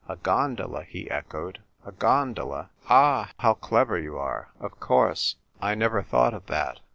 "A gondola!" he echoed. "A gondola! Ah, how clever you are ! Of course! I never thought of that.